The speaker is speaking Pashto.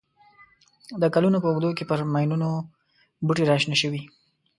د کلونو په اوږدو کې پر ماینونو بوټي را شنه شوي.